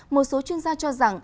một số chuyên gia cho rằng